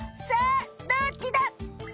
さあどっちだ！